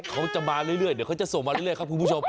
เขาจะมาเรื่อยเดี๋ยวเขาจะส่งมาเรื่อยครับคุณผู้ชม